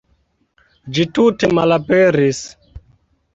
Ĝi tute malaperis.